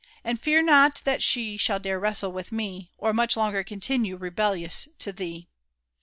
And fear not that she l^halldare wrestle with me, Or much longer continue rebellious to thee."